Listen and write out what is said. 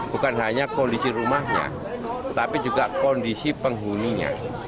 bukan hanya kondisi rumahnya tapi juga kondisi penghuninya